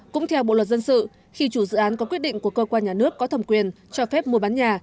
cũng theo bộ luật dân sự khi chủ dự án có quyết định của cơ quan nhà nước có thẩm quyền cho phép mua bán nhà